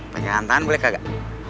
pakai lantangan boleh kagak